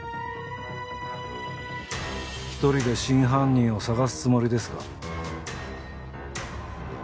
１人で真犯人を捜すつもりですか？